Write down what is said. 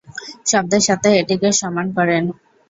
শব্দের সাথে এটিকে সমান করেন।